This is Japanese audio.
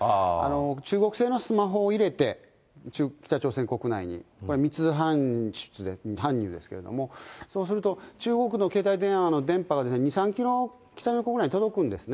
中国製のスマホを入れて、北朝鮮国内に、密搬出で、犯人ですけれども、そうすると、中国の携帯電話の電話は、２、３キロ方面北に届くんですね。